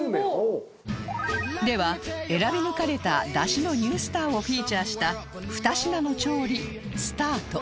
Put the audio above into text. では選び抜かれたダシのニュースターをフィーチャーした２品の調理スタート